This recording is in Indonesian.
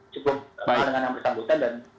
cukup dengan yang bersanggupan dan